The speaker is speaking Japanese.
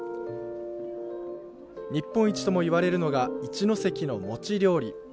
日本一とも言われるのが一関のもち料理。